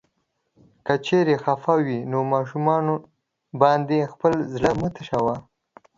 که چيرې خفه وې نو ماشومانو باندې خپل زړه مه تشوه.